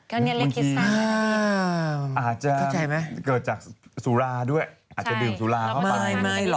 อันนี้ก็อาจจะเกิดจากสุราด้วยอาจจะดื่มสุราเข้าไป